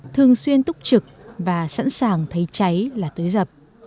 thường xuyên túc trực và sẵn sàng thấy cháy là tới dập